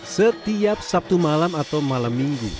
setiap sabtu malam atau malam minggu